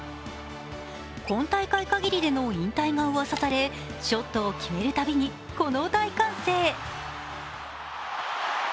今大会限りでの引退がうわさされショットを決めるたびにこの大歓声。